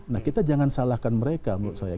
nah kita jangan salahkan mereka menurut saya